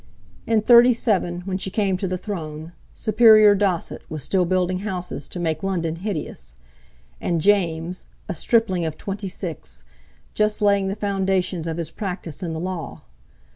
In '37, when she came to the throne, "Superior Dosset" was still building houses to make London hideous; and James, a stripling of twenty six, just laying the foundations of his practice in the Law.